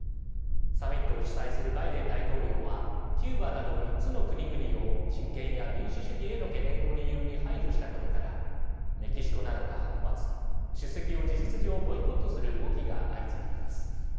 サミットを主催するバイデン大統領はキューバなど３つの国々を人権や民主主義への懸念を理由に排除したことからメキシコなどが反発出席を事実上ボイコットする動きが相次いでいます。